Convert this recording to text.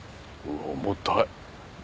重たい！